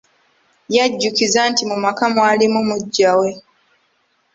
Yajjukiza nti mu maka mwalimu muggya we.